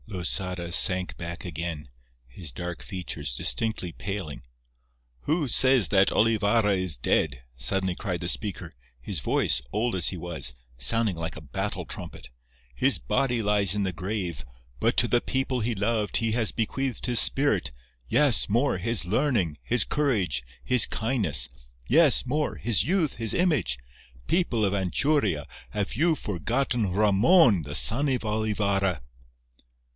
Losada sank back again, his dark features distinctly paling. "Who says that Olivarra is dead?" suddenly cried the speaker, his voice, old as he was, sounding like a battle trumpet. "His body lies in the grave, but to the people he loved he has bequeathed his spirit—yes, more—his learning, his courage, his kindness—yes, more—his youth, his image—people of Anchuria, have you forgotten Ramon, the son of Olivarra?"